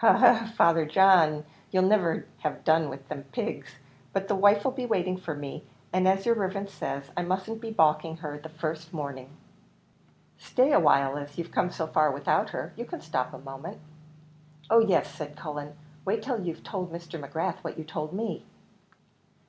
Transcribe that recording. "He, he, Father John, you'll niver have done with them pigs! But the wife'll be waiting for me, and, as yer riverence says, I mustn't be baulking her the first morning." "Stay a while, as you've come so far without her, you can stop a moment." "Oh yes," said Cullen, "wait till you've told Mr. McGrath what you told me."